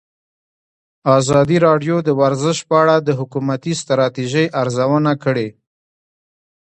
ازادي راډیو د ورزش په اړه د حکومتي ستراتیژۍ ارزونه کړې.